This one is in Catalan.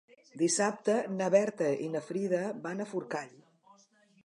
Dissabte na Berta i na Frida van a Forcall.